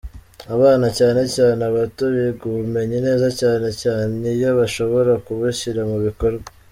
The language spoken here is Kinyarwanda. Abana, cyane cyane abato, biga ubumenyi neza cyane cyane iyo bashobora kubushyira mu bikorwa.